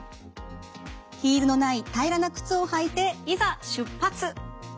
ヒールのない平らな靴を履いていざ出発。